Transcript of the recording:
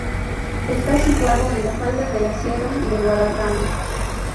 Está situado en la falda de la Sierra de Guadarrama.